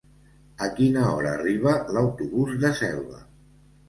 A quina hora arriba l'autobús de Selva?